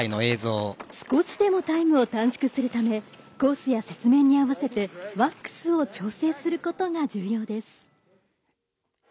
少しでもタイムを短縮するためコースや雪面に合わせてワックスを調整することが重要です。